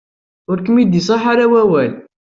Ur kem-id-iṣaḥ ara wawal.